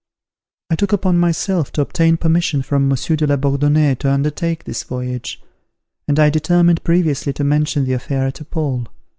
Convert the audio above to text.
I took upon myself to obtain permission from Monsieur de la Bourdonnais to undertake this voyage; and I determined previously to mention the affair to Paul.